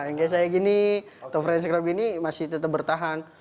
yang kayak saya gini atau frience crup ini masih tetap bertahan